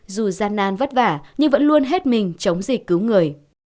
dù gian nan vất vả nhưng vẫn luôn hết mình chống dịch cứu người